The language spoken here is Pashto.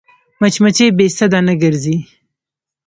مچمچۍ بې سده نه ګرځي